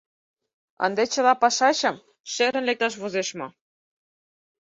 Ынде чыла пачашым шерын лекташ возеш мо?